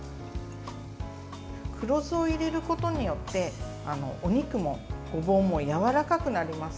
黒酢を入れることによってお肉もごぼうもやわらかくなります。